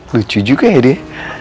lucu juga ya dia